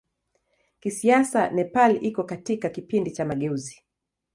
Kisiasa Nepal iko katika kipindi cha mageuzi.